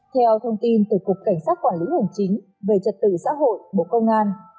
theo thông tin từ cục cảnh sát quản lý hành chính về trật tự xã hội bộ công an